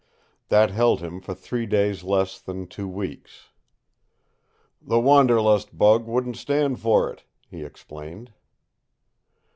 That held him for three, days less than two weeks. "The wanderlust bug wouldn't stand for it," he explained.